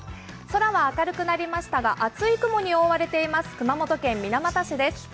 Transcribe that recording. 空は明るくなりましたが、厚い雲に覆われています熊本県水俣市です。